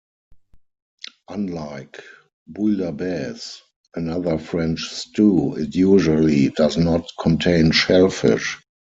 Unlike bouillabaisse, another French stew, it usually does not contain shellfish.